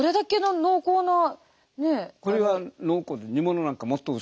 これは濃厚。